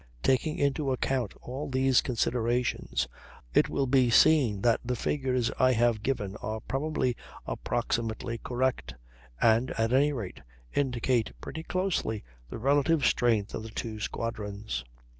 Taking into account all these considerations, it will be seen that the figures I have given are probably approximately correct, and, at any rate, indicate pretty closely the relative strength of the two squadrons.